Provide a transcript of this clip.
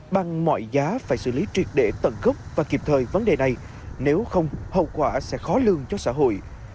bằng mọi giá phải xử lý triệt để tận gốc và kịp thời vấn đề này nếu không hậu quả sẽ khó lương cho xã hội